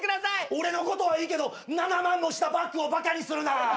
俺のことはいいけど７万もしたバッグをバカにするな！